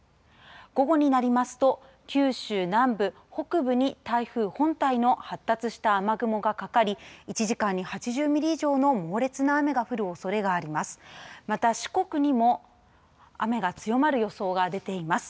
午後になりますと九州南部、北部に台風本体の発達した雨雲がかかり１時間に８０ミリ以上の猛烈な雨が降るおそれがあります。